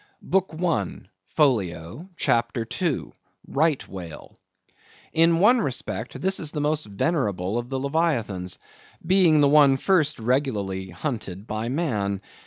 BOOK I. (Folio), CHAPTER II. (Right Whale).—In one respect this is the most venerable of the leviathans, being the one first regularly hunted by man.